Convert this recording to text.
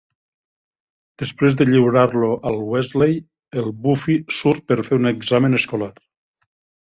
Després de lliurar-lo al Wesley, el Buffy surt per fer un examen escolar.